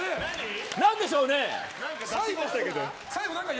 何でしょうね？